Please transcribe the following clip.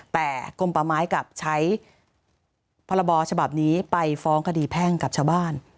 แต่กลมป่าไม้กลับใช้พรบฉบับนี้ไปฟ้องคดีแพ่งกับชาวบ้าน